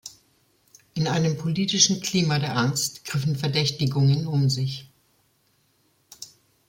In einem politischen Klima der Angst griffen Verdächtigungen um sich.